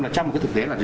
trong một cái thực tế là